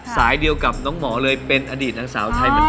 สายเดียวกับน้องหมอเลยเป็นอดีตนางสาวไทยเหมือนกัน